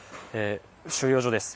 収容所です。